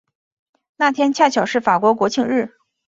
那天恰巧是法国国庆日。